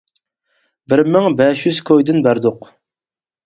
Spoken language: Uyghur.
— بىر مىڭ بەش يۈز كويدىن بەردۇق.